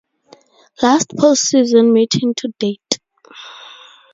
Last postseason meeting to date.